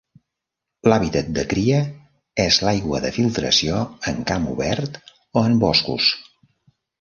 L'hàbitat de cria és l'aigua de filtració en camp obert o en boscos.